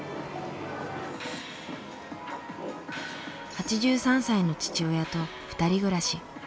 ８３歳の父親と２人暮らし。